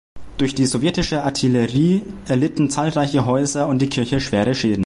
Durch die sowjetische Artillerie erlitten zahlreiche Häuser und die Kirche schwere Schäden.